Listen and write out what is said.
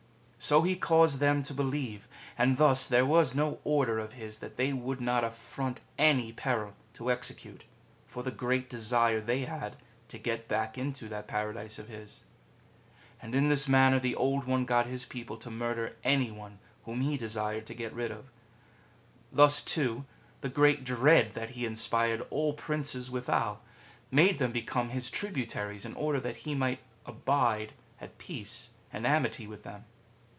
So he caused them to believe; and thus there was no order of his that they would not affront any peril to execute, for the great desire they had to get back into that Paradise of his. And in this manner the Old One got his people to murder any one whom he desired to get rid of. Thus, too, the great dread that he inspired all Princes withal, made them become his tributaries in order that he might abide at peace and amity with them.